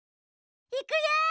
いくよ！